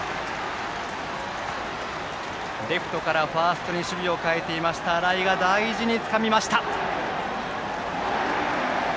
レフトからファーストに守備を変えていた荒居が大事につかみました。